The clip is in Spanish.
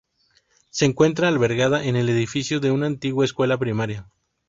Se encuentra albergada en el edificio de una antigua escuela primaria.